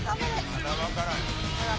まだ分からんよ。